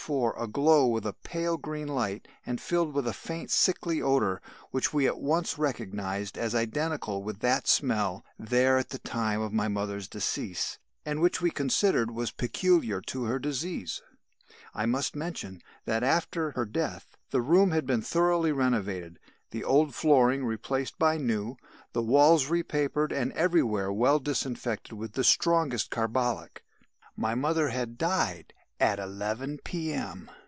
4 aglow with a pale green light and filled with a faint sickly odour, which we at once recognised as identical with that smelt there at the time of my mother's decease and which we considered was peculiar to her disease. "I must mention that after her death, the room had been thoroughly renovated, the old flooring replaced by new, the walls repapered and everywhere well disinfected with the strongest carbolic. My mother had died at 11 P.M.